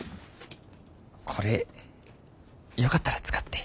これよかったら使って。